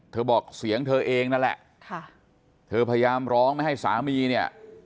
บอกเสียงเธอเองนั่นแหละค่ะเธอพยายามร้องไม่ให้สามีเนี่ย